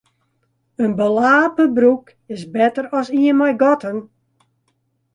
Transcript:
In belape broek is better as ien mei gatten.